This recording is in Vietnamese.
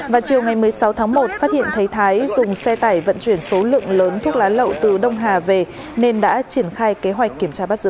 vào chiều ngày một mươi sáu tháng một phát hiện thấy thái dùng xe tải vận chuyển số lượng lớn thuốc lá lậu từ đông hà về nên đã triển khai kế hoạch kiểm tra bắt giữ